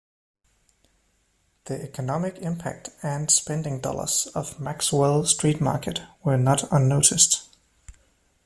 The economic impact and spending dollars of Maxwell Street Market were not unnoticed.